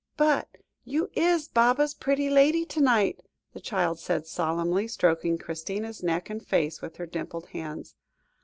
"But you is Baba's pretty lady to night," the child said solemnly, stroking Christina's neck and face with her dimpled hands.